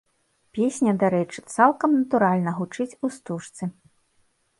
Песня, дарэчы, цалкам натуральна гучыць у стужцы.